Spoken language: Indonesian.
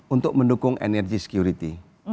untuk mendukung energy security